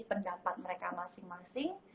pendapat mereka masing masing